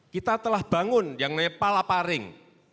kita telah bangun yang namanya palaparing